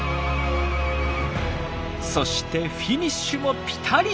そしてフィニッシュもピタリ。